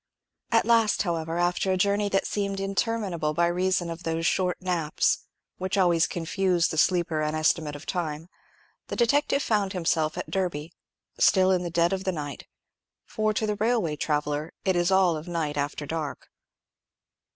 At last, however, after a journey that seemed interminable by reason of those short naps, which always confuse the sleeper's estimate of time, the detective found himself at Derby still in the dead of the night; for to the railway traveller it is all of night after dark.